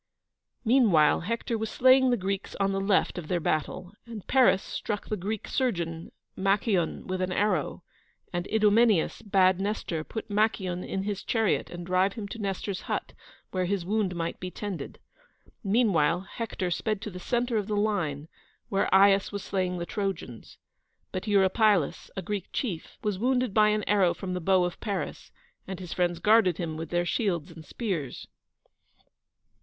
Meanwhile, Hector was slaying the Greeks on the left of their battle, and Paris struck the Greek surgeon, Machaon, with an arrow; and Idomeneus bade Nestor put Machaon in his chariot and drive him to Nestor's hut, where his wound might be tended. Meanwhile, Hector sped to the centre of the line, where Aias was slaying the Trojans; but Eurypylus, a Greek chief, was wounded by an arrow from the bow of Paris, and his friends guarded him with their shields and spears.